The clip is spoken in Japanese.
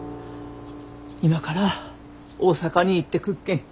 今から大阪に行ってくっけん。